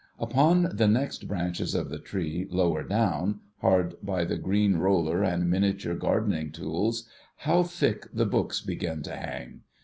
Upon the next branches of the tree, lower down, hard by the green roller and miniature gardening tools, how thick the books begin to hang.